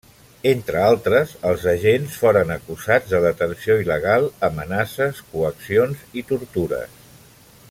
Entre altres, els agents foren acusats de detenció il·legal, amenaces, coaccions i tortures.